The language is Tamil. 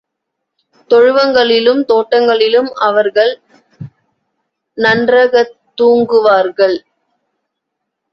தொழுவங்களிலும் தோட்டங்களிலும் அவர்கள் நன்றகத்தூங்குவார்கள்.